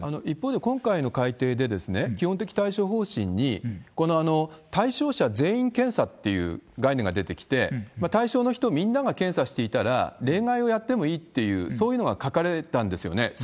一方で、今回の改定で基本的対処方針に、この対象者全員検査っていう概念が出てきて、対象の人みんなが検査していたら、例外をやってもいいという、そういうのが書かれたんですよね。